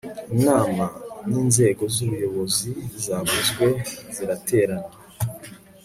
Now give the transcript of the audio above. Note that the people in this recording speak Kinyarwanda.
inama z'inzego z'ubuyobozi zavuzwe ziraterana